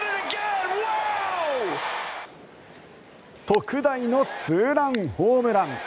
特大のツーランホームラン。